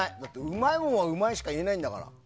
うまいものはうまいしか言えないんだから。